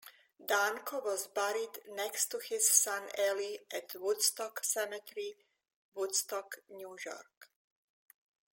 Danko was buried next to his son Eli at Woodstock Cemetery, Woodstock, New York.